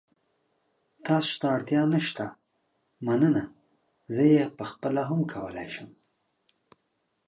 تاسو ته اړتیا نشته، مننه. زه یې خپله هم کولای شم.